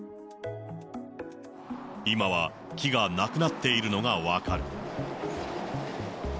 今は、木がなくなっているのが分かる。